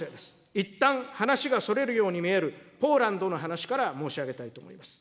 いったん話がそれるように見えるポーランドの話から申し上げたいと思います。